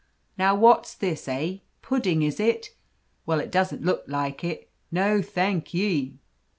Now, what's this? Eh? Pudding, is it? Well, it doesn't look like it. No, thank ye!"